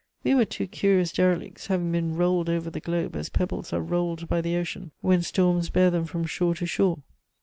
"We were two curious derelicts, having been rolled over the globe as pebbles are rolled by the ocean when storms bear them from shore to shore.